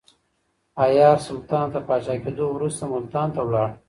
حيار سلطان تر پاچا کېدو وروسته ملتان ته ولاړ.